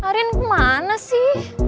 arin kemana sih